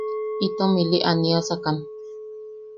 Itom ili aniasakan.